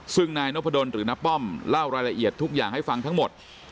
ซึ่งนายนพดลหรือน้าป้อมเล่ารายละเอียดทุกอย่างให้ฟังทั้งหมด